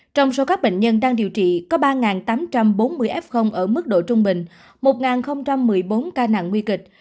trong số các bệnh nhân đang điều trị có ba tám trăm bốn mươi f ở mức độ trung bình một một mươi bốn ca nặng nguy kịch